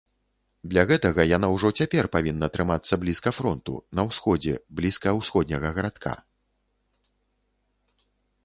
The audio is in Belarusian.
Для гэтага яна ўжо цяпер павінна трымацца блізка фронту, на ўсходзе, блізка ўсходняга гарадка.